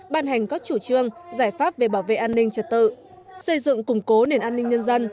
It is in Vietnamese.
ban hành các chủ trương giải pháp về bảo vệ an ninh trật tự xây dựng củng cố nền an ninh nhân dân